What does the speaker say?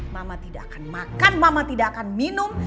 mama tidak akan makan mama tidak akan minum